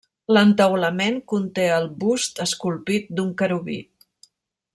L'entaulament conté el bust esculpit d'un querubí.